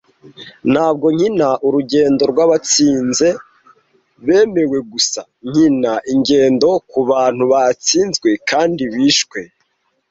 Ntabwo nkina urugendo rwabatsinze bemewe gusa, nkina ingendo kubantu batsinzwe kandi bishwe.